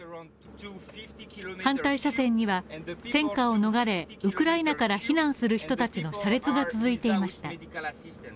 反対車線には、戦火を逃れ、ウクライナから避難する人たちの車列が続いていました。